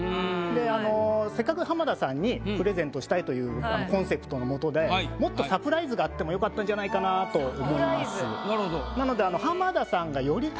であのせっかく浜田さんにプレゼントしたいというコンセプトの下でもっとサプライズがあっても良かったんじゃないかなと思います。